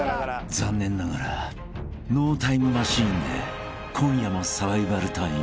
［残念ながらノータイムマシーンで今夜もサバイバルタイム］